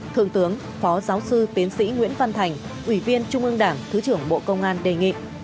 thượng tướng phó giáo sư tiến sĩ nguyễn văn thành ủy viên trung ương đảng thứ trưởng bộ công an đề nghị